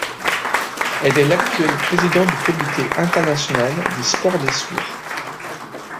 Elle est l'actuel président du Comité international des sports des Sourds.